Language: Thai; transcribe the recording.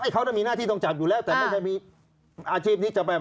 เขามีหน้าที่ต้องจับอยู่แล้วแต่ไม่ใช่มีอาชีพนี้จะไป